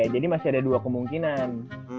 jadi masih ada dua kemungkinan